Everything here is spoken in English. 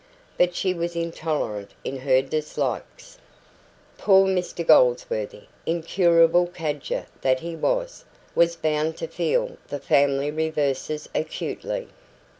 But she was intolerant in her dislikes. Poor Mr Goldsworthy, incurable cadger that he was, was bound to feel the family reverses acutely.